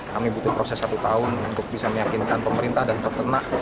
kami butuh proses satu tahun untuk bisa meyakinkan pemerintah dan peternak